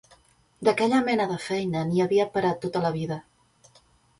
D'aquella mena de feina n'hi havia pera tota la vida